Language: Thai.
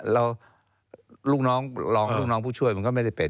แล้วลูกน้องรองลูกน้องผู้ช่วยมันก็ไม่ได้เป็น